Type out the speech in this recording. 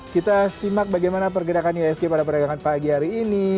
kita simak bagaimana pergerakan ihsg pada perdagangan pagi hari ini